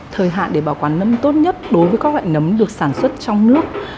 thời hạn để bảo quản nấm tốt nhất đối với các loại nấm được sản xuất trong nước